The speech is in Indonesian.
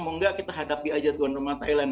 mau nggak kita hadapi aja tuan rumah thailand